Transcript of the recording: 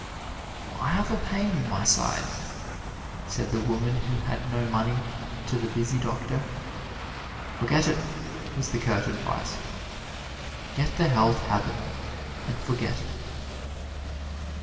"I have a pain in my side," said the woman who had no money to the busy doctor. "Forget it," was the curt advice. Get the Health Habit, and forget it.